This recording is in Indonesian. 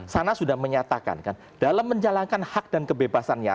sana sudah menyatakan kan dalam menjalankan hak dan kebebasannya